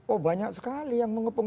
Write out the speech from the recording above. oh banyak sekali yang mengepung